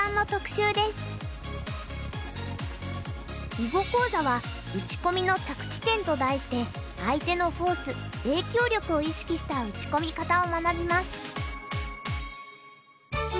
囲碁講座は「打ち込みの着地点」と題して相手のフォース影響力を意識した打ち込み方を学びます。